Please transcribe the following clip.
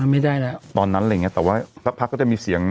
ไม่ได้แล้วตอนนั้นอะไรอย่างเงี้แต่ว่าสักพักก็จะมีเสียง